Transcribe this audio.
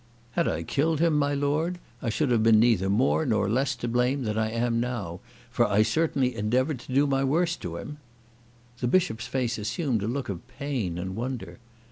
"Had I killed him, my lord, I should have been neither more nor less to blame than I am now, for I certainly endeavoured to do my worst to him." The Bishop's face assumed a look of pain and wonder.